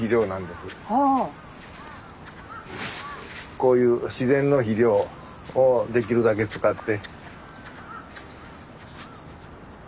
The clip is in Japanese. こういう自然の肥料をできるだけ使って。